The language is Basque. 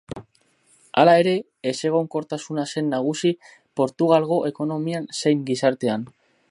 Hala ere, ezegonkortasuna zen nagusi Portugalgo ekonomian zein gizartean.